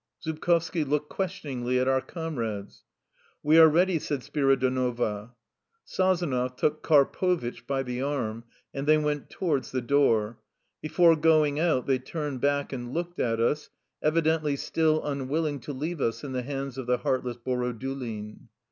Zubkovski looked questioningly at our comrades. "We are ready," said Spiridonova. Sazonov took Karpovitch by the arm, and they went to wards the door. Before going out they turned back and looked at us, evidently still unwilling to leave us in the hands of the heartless Boro dulin.